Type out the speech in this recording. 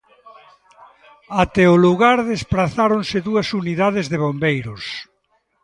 Até o lugar desprazáronse dúas unidades de bombeiros.